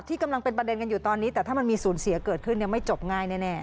กำลังเป็นประเด็นกันอยู่ตอนนี้แต่ถ้ามันมีสูญเสียเกิดขึ้นไม่จบง่ายแน่